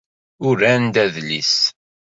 Uran-d adlis.